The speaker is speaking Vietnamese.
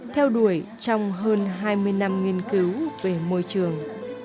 theo đuổi trong hơn hai mươi năm nghiên cứu về môi trường